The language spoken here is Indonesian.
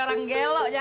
orang gelo ya